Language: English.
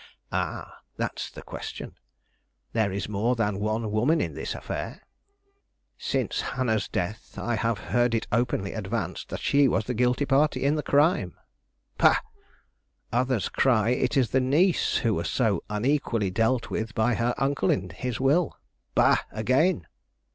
Ah, that's the question. There is more than one woman in this affair. Since Hannah's death I have heard it openly advanced that she was the guilty party in the crime: bah! Others cry it is the niece who was so unequally dealt with by her uncle in his will: bah! again.